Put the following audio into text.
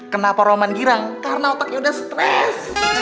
kenapa roman girang karena otaknya udah stres